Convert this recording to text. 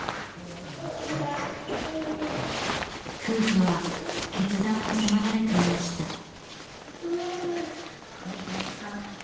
夫婦は決断を迫られていました。